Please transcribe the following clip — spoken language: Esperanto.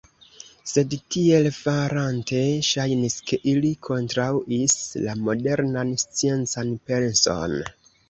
Sed tiel farante, ŝajnis ke ili kontraŭis la modernan sciencan penson.